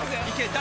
誰？